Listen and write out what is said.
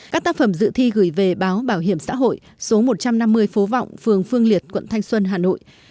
các tác phẩm dự thi gửi về báo bảo hiểm xã hội số một trăm năm mươi phố vọng phường phương liệt quận thanh xuân hà nội